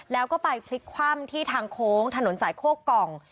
แล้วก็ไปพลิกคว่ำที่ทางโค้งถนนสายโคกกล่อง